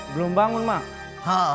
belum bangun mak